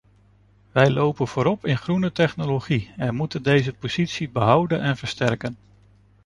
Wij lopen voorop in groene technologie en we moeten deze positie behouden en versterken.